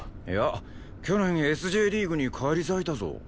いや去年Ｓ／Ｊリーグに返り咲いたぞ。